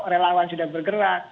relawan sudah bergerak